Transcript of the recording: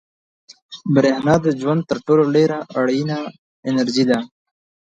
برېښنا د ژوند تر ټولو ډېره اړینه انرژي ده.